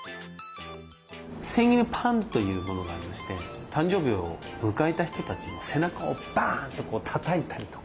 センイルパンというものがありまして誕生日を迎えた人たちの背中を「バン！」とたたいたりとか。